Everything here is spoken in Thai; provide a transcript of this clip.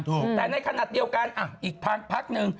แต่ในขณะเดียวกันอ้าวอีกพักนึง